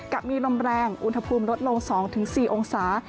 กลับมีลมแรงอุณหภูมิลดลงสองถึงสี่องศา